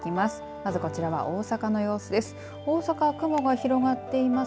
まずこちらは大阪の様子です。